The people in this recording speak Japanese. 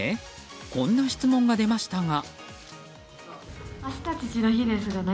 こんな質問が出ましたが。